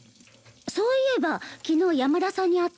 そういえば昨日山田さんに会ったよ。